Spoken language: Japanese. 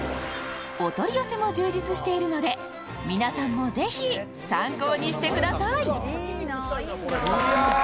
お取り寄せも充実しているので皆さんもぜひ参考にしてください。